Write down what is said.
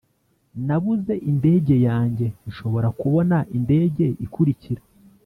nabuze indege yanjye. nshobora kubona indege ikurikira?